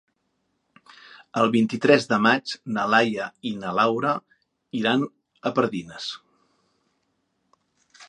El vint-i-tres de maig na Laia i na Laura iran a Pardines.